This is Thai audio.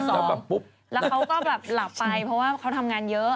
แล้วเขาก็แบบหลับไปเพราะว่าเขาทำงานเยอะ